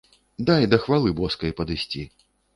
Дай да хвалы боскай падысці.